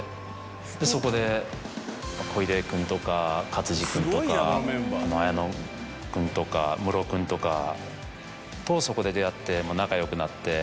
でそこで小出君とか勝地君とか綾野君とかムロ君とかとそこで出会って仲良くなって。